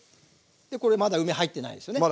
でこれまだ梅入ってないですよね。